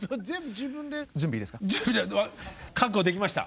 覚悟できました。